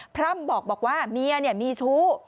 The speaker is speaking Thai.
พร่ำบอกว่าเมียมีชู้